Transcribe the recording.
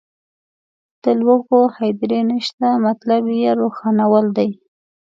د لوږو هدیرې نشته مطلب یې روښانول دي.